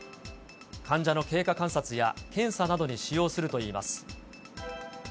患者の経過観察や検査などに使用するといいます。